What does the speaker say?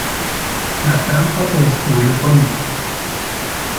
La trampa se descubrió pronto.